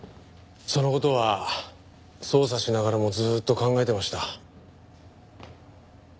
その事は捜査しながらもずっと考えてました。